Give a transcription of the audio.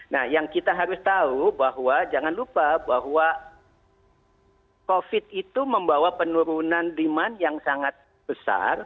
nah yang kita harus tahu bahwa jangan lupa bahwa covid itu membawa penurunan demand yang sangat besar